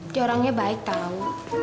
dia orangnya baik tau